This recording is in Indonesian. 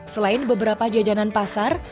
selain beberapa jajanan pasar